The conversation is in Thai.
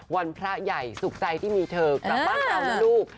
วันพระใหญ่สุขใจที่มีเธอกลับบ้านเจ้าแล้วลูก